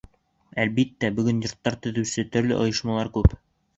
Әлбиттә, бөгөн йорттар төҙөүсе төрлө ойошмалар күп.